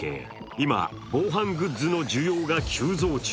今、防犯グッズの需要が急増中。